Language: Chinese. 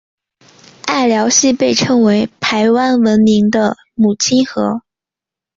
隘寮溪被称为排湾文明的母亲河。